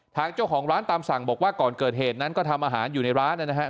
ทางเจ้าของร้านตามสั่งบอกว่าก่อนเกิดเหตุนั้นก็ทำอาหารอยู่ในร้านนะครับ